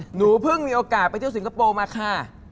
หนูเพิ่งมีโอกาสไปเที่ยวสิงคโปร์มาค่ะ